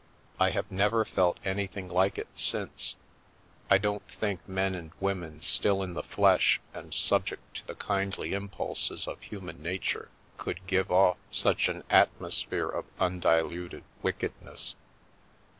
I have never felt anything like it since — I don't think men and women still in the flesh and subject to the kindly im pulses of human nature, could give off such an atmos phere of undiluted wickedness.